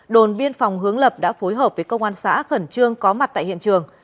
đồn biên phòng hướng lập đã phối hợp với công an xã khẩn trương có mặt tại hiện trường